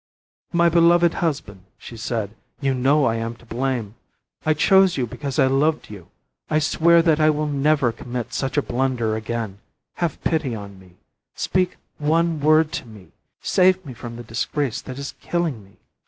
"My beloved husband," she said, "you know I am to blame. I chose you because I loved you; I swear that I will never commit such a blunder again; have pity on me, speak one word to me, save me from the disgrace that is killing me.